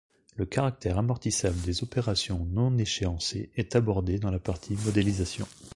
Le caractère amortissable des opérations non échéancées est abordé dans la partie modélisation.